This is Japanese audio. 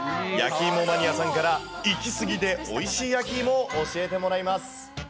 焼きいもマニアさんからいきすぎでおいしい焼きいもを教えてもらいます。